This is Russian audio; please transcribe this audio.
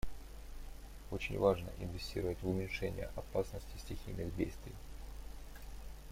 Очень важно инвестировать в уменьшение опасности стихийных бедствий.